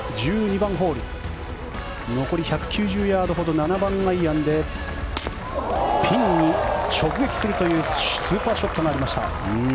１２番ホール残り１９０ヤードほど７番アイアンでピンに直撃するというスーパーショットがありました。